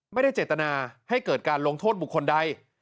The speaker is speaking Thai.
ไม่ได้เจตนาให้เกิดการลงโทษบุคคลใด